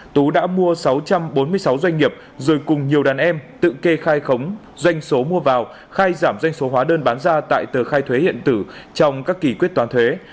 tú đã mua sáu trăm bốn mươi sáu doanh nghiệp rồi cùng nhiều đàn em tự kê khai khống doanh số mua vào khai giảm doanh số hóa đơn bán ra tại tờ khai thuế hiện tử trong các kỳ quyết toán thuế